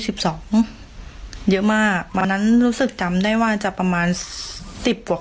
เยอะมากวันนั้นรู้สึกจำได้ว่าจะประมาณสิบกว่าคน